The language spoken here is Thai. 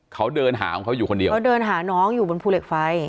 เขาเดินหาของเขาอยู่คนเดียวเขาเดินหาน้องอยู่บนภูเหล็กไฟ